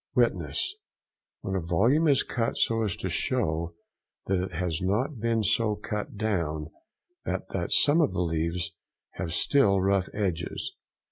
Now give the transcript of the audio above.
WITNESS.—When a volume is cut so as to show that it has not been so cut down, but that some of the leaves have still rough edges.